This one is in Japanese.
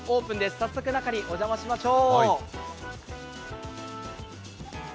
早速、中にお邪魔しましょう。